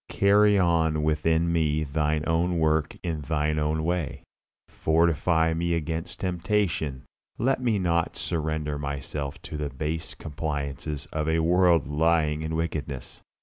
Carry on within me Thine own work in Thine own way. Fortify me against temptation; let me not surrender myself to the base compliances of a world lying in wickedness.